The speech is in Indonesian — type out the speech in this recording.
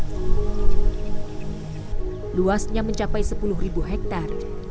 jika padang sabana ini mencapai sepuluh ribu hektare